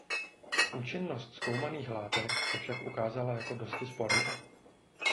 Účinnost zkoumaných látek se však ukázala jako dosti sporná.